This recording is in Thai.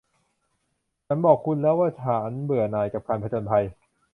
ฉันบอกคุณแล้วว่าฉันเบื่อหน่ายกับการผจญภัย